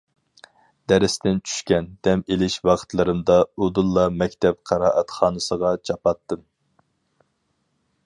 دەرستىن چۈشكەن، دەم ئېلىش ۋاقىتلىرىمدا ئۇدۇللا مەكتەپ قىرائەتخانىسىغا چاپاتتىم.